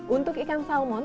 untuk ikan salmon